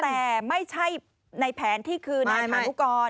แต่ไม่ใช่ในแผนที่คือนายพานุกร